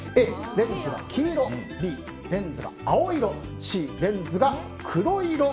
Ａ、レンズが黄色Ｂ、レンズが青色Ｃ、レンズが黒色。